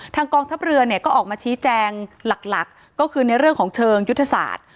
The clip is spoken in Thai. กองทัพเรือเนี่ยก็ออกมาชี้แจงหลักก็คือในเรื่องของเชิงยุทธศาสตร์